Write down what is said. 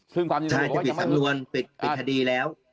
จะปิดสำรวจปิดคดีแล้ว